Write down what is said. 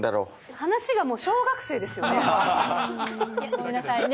話が小学生ですよね。